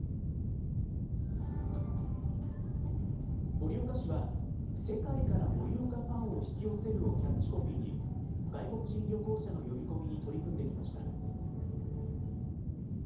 盛岡市は世界から盛岡ファンを引き寄せるをキャッチコピーに、外国人旅行者の呼び込みに取り組んできました。